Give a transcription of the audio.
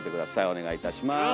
お願いいたします。